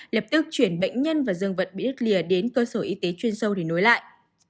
lập tức chuyển bệnh nhân và dương vật bị đứt lìa đến cơ sở y tế chuyên sâu để nối lại